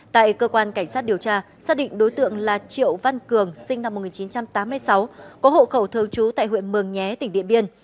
tại cơ quan cảnh sát điều tra xác định đối tượng là triệu văn cường sinh năm một nghìn chín trăm tám mươi sáu có hộ khẩu thường trú tại huyện mường nhé tỉnh điện biên